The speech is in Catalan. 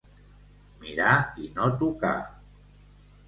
Mirar i no tocar.